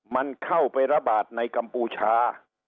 มันเข้าไประบาดในกัมพูชา